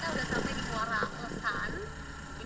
akhirnya kita sudah sampai di buara lesan